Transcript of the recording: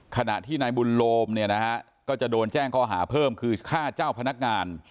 ขณะที่นายบุญโลมเนี่ยนะฮะก็จะโดนแจ้งข้อหาเพิ่มคือฆ่าเจ้าพนักงาน